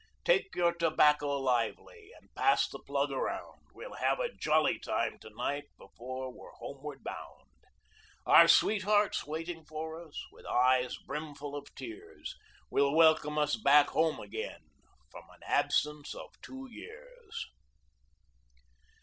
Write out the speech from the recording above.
"Take your tobacco lively And pass the plug around; We'll have a jolly time to night Before we're homeward bound. AT ANNAPOLIS 21 "Our sweethearts waiting for us, With eyes brimful of tears, Will welcome us back home again From an absence of two years."